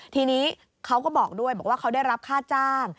ทีนี้เขาก็บอกด้วยบอกว่าเขาได้รับค่าจ้าง